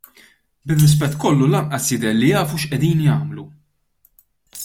Bir-rispett kollu lanqas jidher li jafu x'qegħdin jagħmlu.